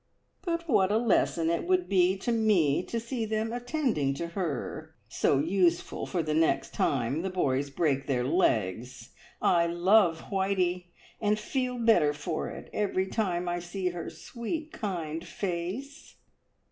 "But what a lesson it would be to me to see them attending to her! So useful for the next time the boys break their legs! I love Whitey, and feel better for it every time I see her sweet, kind face."